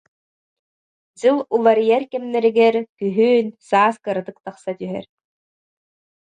Дьыл уларыйар кэмнэригэр күһүн, саас кыратык тахса түһэр